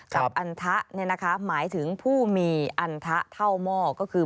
กับอันทะหมายถึงผู้มีอันทะเท่าหม้อก็คือ